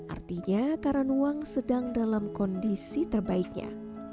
artinya karanuang sedang dalam kondisi terbaiknya